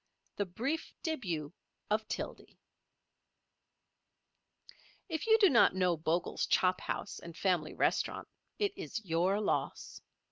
THE BRIEF DÉBUT OF TILDY If you do not know Bogle's Chop House and Family Restaurant it is your loss.